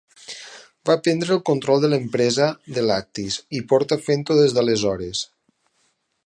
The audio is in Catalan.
Va prendre el control de l'empresa de lactis, i porta fent-ho des d'aleshores.